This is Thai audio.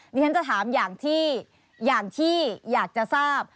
ดิฉันจะถามอย่างที่อยากจะทราบ